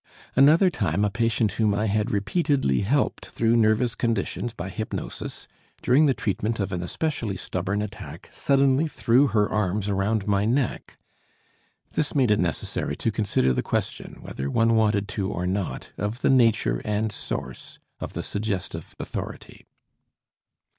Another time a patient whom I had repeatedly helped through nervous conditions by hypnosis, during the treatment of an especially stubborn attack, suddenly threw her arms around my neck. This made it necessary to consider the question, whether one wanted to or not, of the nature and source of the suggestive authority.